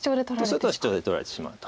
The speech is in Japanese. そうするとシチョウで取られてしまうと。